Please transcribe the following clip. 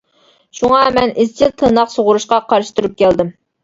شۇڭا مەن ئىزچىل تىرناق سۇغۇرۇشقا قارشى تۇرۇپ كەلدىم.